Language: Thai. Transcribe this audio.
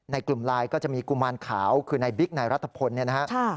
ในกลุ่มลายก็จะมีกุมารขาวคือในบิ๊กในรัฐพลนะครับ